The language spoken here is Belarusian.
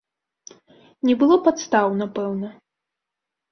Не было падстаў, напэўна.